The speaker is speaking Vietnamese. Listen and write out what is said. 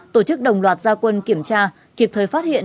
tổ chức đồng loạt gia quân kiểm tra kịp thời phát hiện